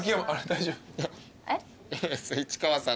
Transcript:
大丈夫？